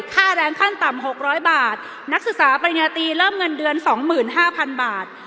ค่าแรงขั้นต่ำ๖๐๐บาทนักศึกษาปริญญาตรีเริ่มเงินเดือน๒๕๐๐๐บาท